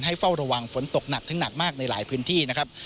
เฝ้าระวังฝนตกหนักถึงหนักมากในหลายพื้นที่นะครับ